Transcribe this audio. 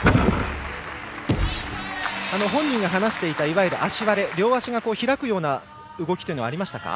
本人が話していたいわゆる足割れ両足が開くような動きはありましたか？